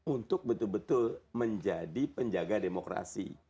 untuk betul betul menjadi penjaga demokrasi